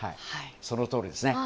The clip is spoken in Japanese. そのとおりですね。